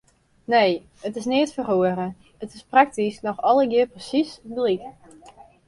Nee, it is neat feroare, it is praktysk noch allegear presiis gelyk.